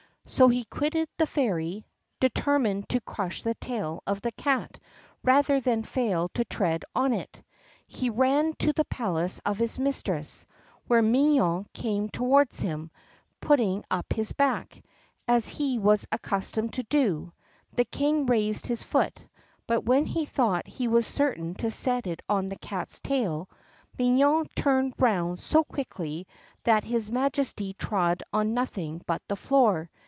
So he quitted the Fairy, determined to crush the tail of the cat rather than fail to tread on it. He ran to the palace of his mistress, where Minon came towards him, putting up his back, as he was accustomed to do; the King raised his foot, but when he thought he was certain to set it on the cat's tail, Minon turned round so quickly that his Majesty trod on nothing but the floor.